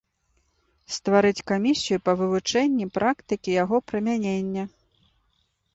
Стварыць камісію па вывучэнні практыкі яго прымянення.